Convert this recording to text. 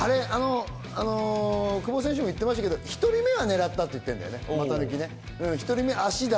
久保選手も言ってましたが、また抜き、１人目は狙ったって言ってるんだよね。